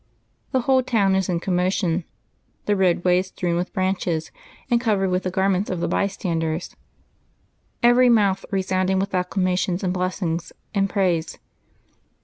The whole town is in commo tion, the roadway is strewn with branches and covered with the garments of the bystanders, every mouth resound ing with acclamations and blessings and praise.